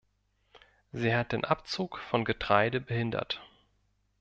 Sie hat den Abzug von Getreide behindert.